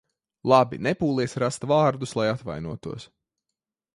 Labi, nepūlies rast vārdus, lai atvainotos.